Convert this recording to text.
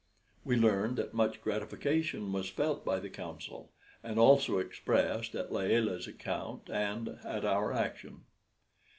We learned that much gratification was felt by the council, and also expressed, at Layelah's account and at our action.